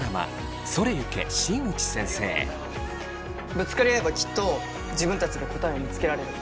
ぶつかり合えばきっと自分たちで答えを見つけられる。